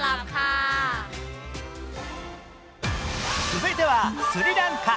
続いてはスリランカ。